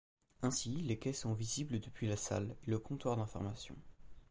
Ainsi, les quais sont visibles depuis la salle et le comptoir d'information.